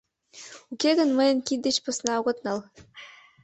Уке гын мыйын кид деч посна огыт нал...